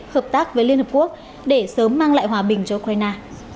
hợp tác với liên hợp quốc để sớm mang lại hòa bình cho ukraine